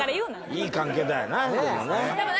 いい関係だよなでもね。